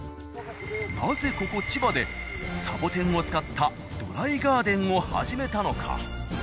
なぜここ千葉でサボテンを使ったドライガーデンを始めたのか？